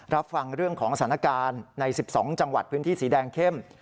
รับฟังเรื่องของสถานการณ์ใน๑๒จังหวัดพื้นที่สีแดงเข้ม